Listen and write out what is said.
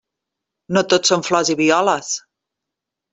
No tot són flors i violes.